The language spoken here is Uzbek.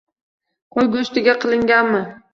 Qo'y go'shtiga qilinganmi?